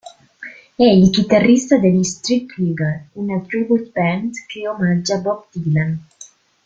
È il chitarrista degli Street Legal, una "tribute band" che omaggia Bob Dylan.